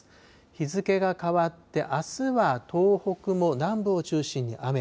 日付が変わってあすは東北も南部を中心に雨。